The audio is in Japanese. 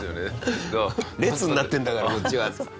「列になってるんだからこっちは！」。